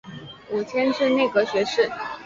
五迁至内阁学士。